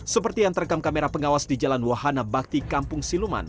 seperti yang terekam kamera pengawas di jalan wahana bakti kampung siluman